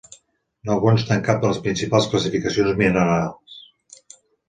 No consta en cap de les principals classificacions minerals.